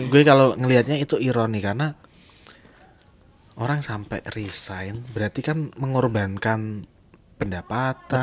gue kalau ngelihatnya itu ironi karena orang sampai resign berarti kan mengorbankan pendapatan